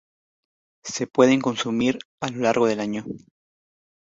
Se pueden consumir a lo largo del año.